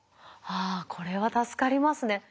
ああこれは助かりますね。